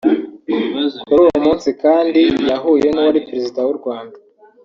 Kuri uwo munsi kandi yahuye n’uwari Perezida w’u Rwanda